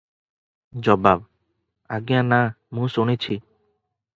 ଜବାବ - ଆଜ୍ଞା ନା, ମୁଁ ଶୁଣିଛି ।